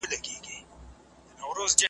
ما زرین ته یوه پيغله داسې ناسته په اسره ده